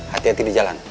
hati hati di jalan